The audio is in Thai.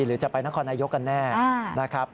หรือจะไปนครนายกกันแน่นะครับ